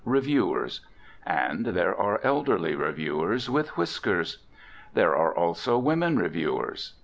reviewers; and there are elderly reviewers, with whiskers. There are also women reviewers.